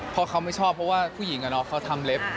เพราะเขาไม่ชอบเพราะว่าผู้หญิงเขาทำเล็บ